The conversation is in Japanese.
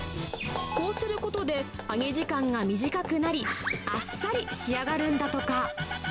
こうすることで揚げ時間が短くなり、あっさり仕上がるんだとか。